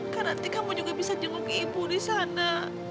karena nanti kamu juga bisa jenguk ibu di sana